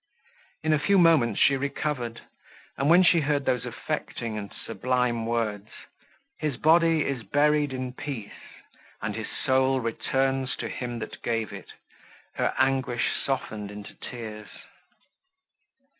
In a few moments she recovered; and, when she heard those affecting and sublime words: "His body is buried in peace, and his soul returns to Him that gave it," her anguish softened into tears.